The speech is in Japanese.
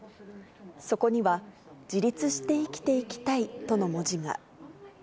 そこには、自立して生きていきたいとの文字が。